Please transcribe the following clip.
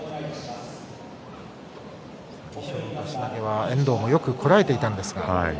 最初の出し投げは遠藤もよくこらえていたんですが。